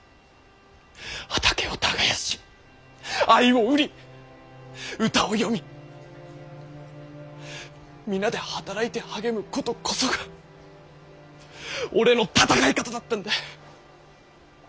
畑を耕し藍を売り歌を詠み皆で働いて励むことこそが俺の戦い方だったんだ。